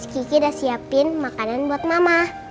kiki udah siapin makanan buat mama